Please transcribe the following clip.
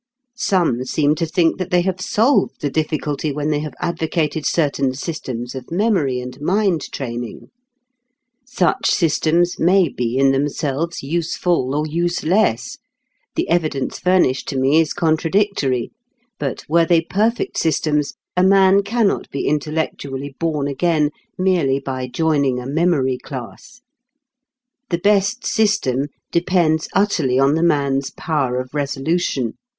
Some seem to think that they have solved the difficulty when they have advocated certain systems of memory and mind training. Such systems may be in themselves useful or useless the evidence furnished to me is contradictory but were they perfect systems, a man cannot be intellectually born again merely by joining a memory class. The best system depends utterly on the man's power of resolution.